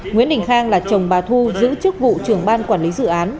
nguyễn đình khang là chồng bà thu giữ chức vụ trưởng ban quản lý dự án